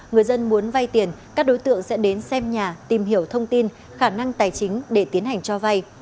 người dân muốn vay tiền các đối tượng sẽ đến xem nhà tìm hiểu thông tin khả năng tài chính để tiến hành cho vay